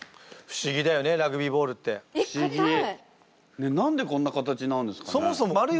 ねえ何でこんな形なんですかね？